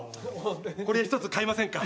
これ１つ買いませんか？